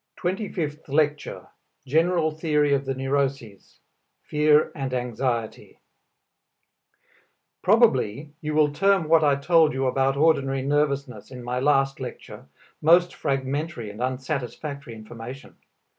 TWENTY FIFTH LECTURE GENERAL THEORY OF THE NEUROSES Fear and Anxiety Probably you will term what I told you about ordinary nervousness in my last lecture most fragmentary and unsatisfactory information.